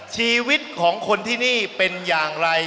ชีวิตของคนที่นี่เป็นอย่างไร